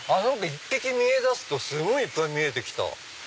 １匹見え出すとすごいいっぱい見えてきた。